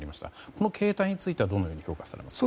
この形態についてはどのように評価されますか。